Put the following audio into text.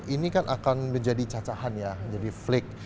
ini kan akan menjadi cacahan ya jadi flake